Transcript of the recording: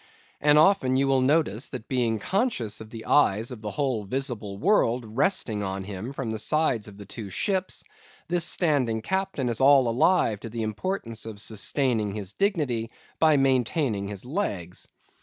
And often you will notice that being conscious of the eyes of the whole visible world resting on him from the sides of the two ships, this standing captain is all alive to the importance of sustaining his dignity by maintaining his legs.